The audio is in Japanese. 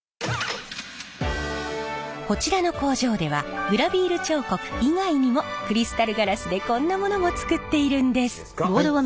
こちらの工場ではグラヴィール彫刻以外にもクリスタルガラスでこんなものもつくっているんです！